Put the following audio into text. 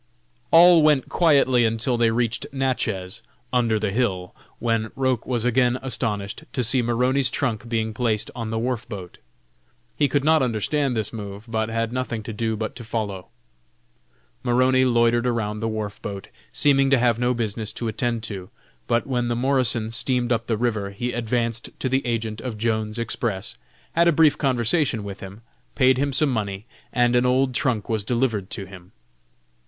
All went quietly until they reached Natchez, "under the hill," when Roch was again astonished to see Maroney's trunk being placed on the wharf boat. He could not understand this move, but had nothing to do but to follow. Maroney loitered around the wharf boat, seeming to have no business to attend to, but when the Morrison steamed up the river, he advanced to the agent of Jones' Express, had a brief conversation with him, paid him some money, and an old trunk was delivered to him.